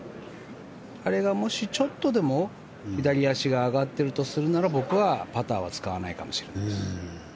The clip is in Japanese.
あれが、もしちょっとでも左足が上がってるとするなら僕はパターは使わないかもしれないです。